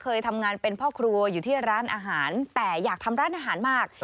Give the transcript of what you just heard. เคยทำงานเป็นพ่อครัวอยู่ที่ร้านอาหารแต่อยากทำร้านอาหารมาก